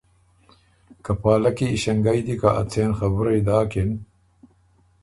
که پالکی ایݭنګئ دی که ا څېن خبُرئ داکِن